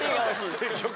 結局。